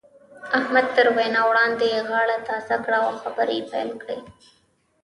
احمد تر وينا وړاندې غاړه تازه کړه او خبرې يې پيل کړې.